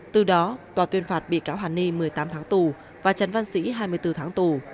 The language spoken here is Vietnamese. từ đó tòa tuyên phạt bị cáo hàn ni một mươi tám tháng tù và trần văn sĩ hai mươi bốn tháng tù